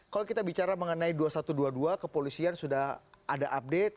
kalau kita bicara mengenai dua ribu satu ratus dua puluh dua kepolisian sudah ada update